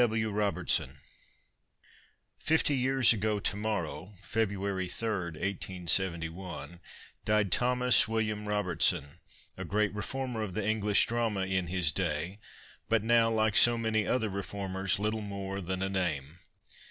208 T. W. ROBERTSON Fifty years ago to morrow (February 3rd, 1871) died Thomas William Robertson, a great reformer of the English drama in liis day, but now, like so many other reformers, little more than a name.